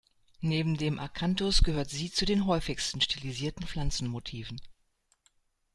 Neben dem Akanthus gehört sie zu den häufigsten stilisierten Pflanzenmotiven.